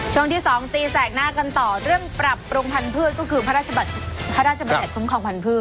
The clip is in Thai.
ช่วงที่๒ตีแสงหน้ากันต่อเรื่องปรับปรุงพันธุ์พืชก็คือพระราชบัตรสมความพันธุ์พืช